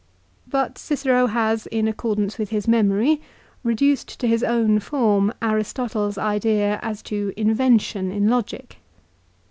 But Cicero has, in accordance with his memory, reduced to his own form Aristotle's idea as to "invention" in logic.